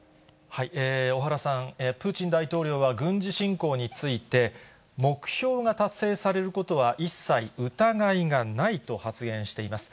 小原さん、プーチン大統領は軍事侵攻について、目標が達成されることは一切疑いがないと発言しています。